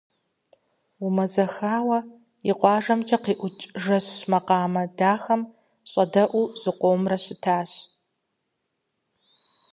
Умэзэхауэ, и къуажэмкӀэ къиӀукӀ жэщ макъамэ дахэм щӀэдэӀуу, зыкъомрэ щытащ.